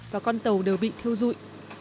và con tàu đều bị thiêu rụi